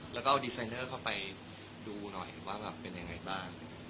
แล้วก็เอาดีไซเนอร์เข้าไปดูหน่อยว่าแบบเป็นยังไงบ้าง